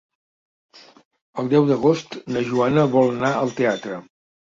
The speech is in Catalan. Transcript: El deu d'agost na Joana vol anar al teatre.